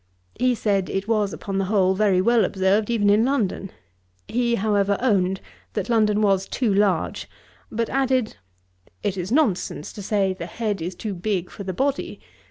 He said, it was, upon the whole, very well observed even in London. He, however, owned, that London was too large; but added, 'It is nonsense to say the head is too big for the body.